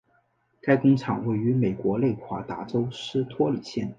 该工厂位于美国内华达州斯托里县。